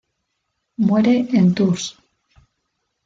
Muere en Tours.